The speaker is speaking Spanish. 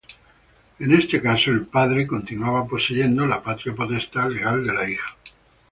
En este caso el padre continuaba poseyendo la patria potestad legal de la hija.